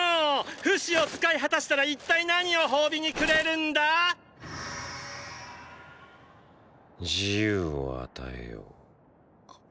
フシを使い果たしたら一体何を褒美にくれるんだ⁉“自由”を与えよう。